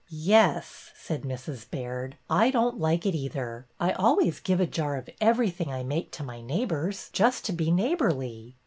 Yes," said Mrs. Baird. I don't like it either. I always give a jar of everything I make to my neighbors, just to be neighborly."